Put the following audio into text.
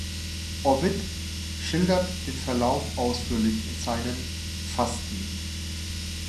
Ovid schildert den Verlauf ausführlich in seinen "Fasti".